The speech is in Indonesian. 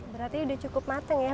berarti sudah cukup mateng ya